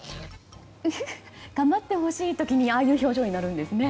構ってほしい時にああいう表情になるんですね。